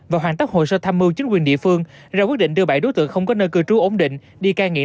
và hoàn tất hồ sơ tham mưu chính quyền địa phương ra quyết định đưa bảy đối tượng không có nơi cư trú ổn định đi cai nghiện